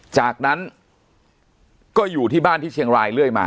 จากนั้นก็อยู่ที่บ้านที่เชียงรายเรื่อยมา